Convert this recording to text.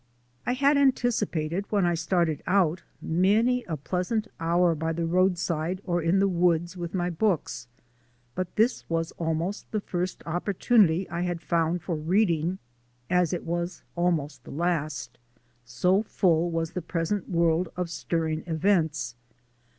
I had anticipated, when I started out, many a pleasant hour by the roadside or in the woods with my books, but this was almost the first opportunity I had found for reading (as it was almost the last), so full was the present world of stirring events.